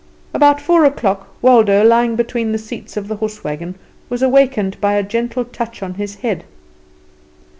About four o'clock Waldo, lying between the seats of the horse wagon, was awakened by a gentle touch on his head.